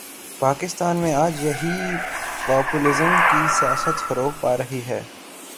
پاکستان میں آج یہی پاپولزم کی سیاست فروغ پا رہی ہے۔